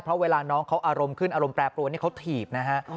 เพราะเวลาน้องเขาอารมณ์ขึ้นอารมณ์แปรปรวนนี่เขาถีบนะฮะ